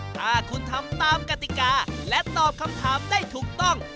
ถ้าคุณทำตามกติกาและตอบคำถามได้ถูกต้อง